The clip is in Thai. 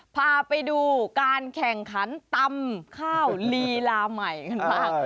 พาไปดูการแข่งขันตำข้าวลีลาใหม่กันบ้าง